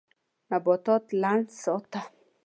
نباتات لند ساته.